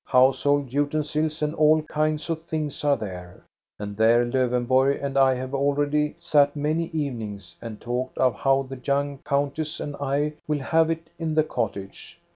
Household utensils and all kinds of things are there, and there Lowenborg and I have already sat many evenings and talked of how the young countess and I will have it in the cottage.